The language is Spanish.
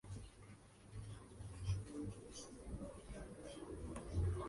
Toby se encuentra bloqueado ante la redacción del discurso de Investidura.